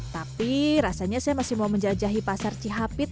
tapi rasanya saya masih mau menjajahi pasar cihapit